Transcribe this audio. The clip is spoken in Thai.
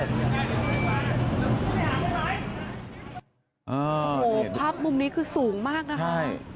โอ้โหภาพมุมนี้คือสูงมากนะคะ